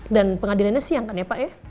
dan pengadilannya siang kan ya pak ya